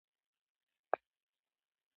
رومی بانجان څنګه کرل کیږي؟